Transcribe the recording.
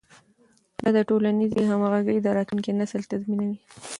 دا د ټولنیزې همغږۍ د راتلونکي نسل تضمینوي.